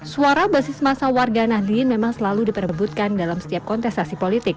suara basis masa warga nahdlin memang selalu diperbebutkan dalam setiap kontestasi politik